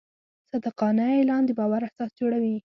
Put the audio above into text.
صادقانه اعلان د باور اساس جوړوي.